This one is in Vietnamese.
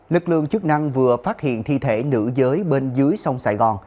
lực lượng chức năng vừa phát hiện thi thể nữ giới bên dưới sông sài gòn